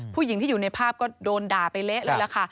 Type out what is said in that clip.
ผู้หญิงที่อยู่ในภาพก็โดนด่าไปเละเลยล่ะค่ะ